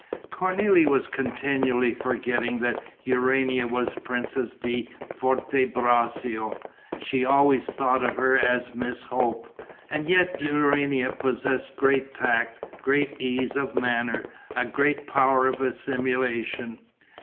Cornélie was continually forgetting that Urania was Princess di Forte Braccio: she always thought of her as Miss Hope. And yet Urania possessed great tact, great ease of manner, a great power of assimilation.